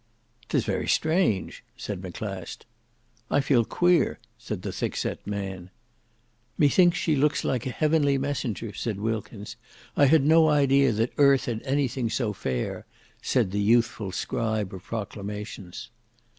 "'Tis very strange," said Maclast. "I feel queer!" said the thickset man. "Methinks she looks like a heavenly messenger," said Wilkins. "I had no idea that earth had anything so fair," said the youthful scribe of proclamations.